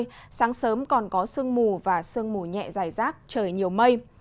trong ngày hôm nay sáng sớm còn có sương mù và sương mù nhẹ dài rác trời nhiều mây